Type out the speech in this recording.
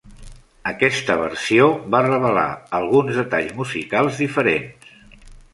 Aquesta versió va revelar alguns detalls musicals diferents.